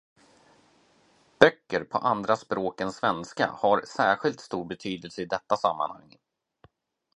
Böcker på andra språk än svenska har särskilt stor betydelse i detta sammanhang.